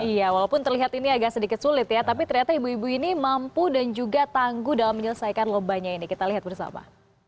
iya walaupun terlihat ini agak sedikit sulit ya tapi ternyata ibu ibu ini mampu dan juga tangguh dalam menyelesaikan lombanya ini kita lihat bersama